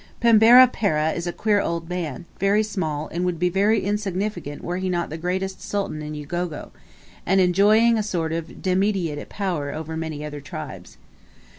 Pembera Pereh is a queer old man, very small, and would be very insignificant were he not the greatest sultan in Ugogo; and enjoying a sort of dimediate power over many other tribes.